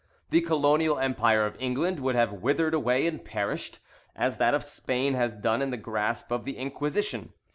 The colonial empire of England would have withered away and perished, as that of Spain has done in the grasp of the Inquisition.